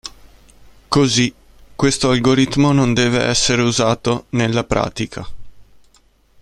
Così, questo algoritmo non deve essere usato nella pratica.